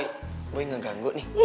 bapak kebetulan gak ganggu nih